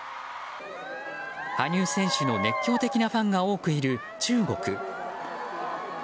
羽生選手の熱狂的なファンが多くいる中国。